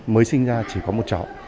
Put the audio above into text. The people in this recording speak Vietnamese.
mới sinh ra chỉ có một cháu